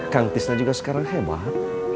kang tisna juga sekarang hebat ya